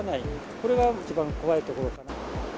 これが一番怖いところかな。